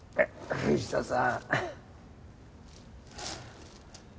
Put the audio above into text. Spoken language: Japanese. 藤田さん。